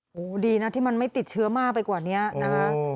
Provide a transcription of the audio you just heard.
โอ้โหดีนะที่มันไม่ติดเชื้อมากไปกว่านี้นะคะ